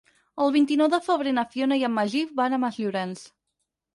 El vint-i-nou de febrer na Fiona i en Magí van a Masllorenç.